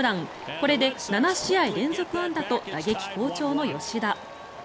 これで７試合連続安打と打撃好調の吉田。